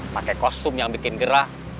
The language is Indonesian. pakai kostum yang bikin gerah